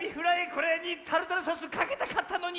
これにタルタルソースをかけたかったのに！